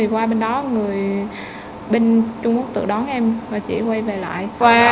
qua bên đó người bên trung quốc tự đón em và chị quay về lại